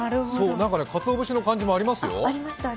かつお節の感じもありますよ。